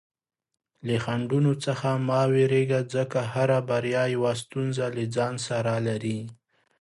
له خنډونو څخه مه ویریږه، ځکه هره بریا یوه ستونزه له ځان سره لري.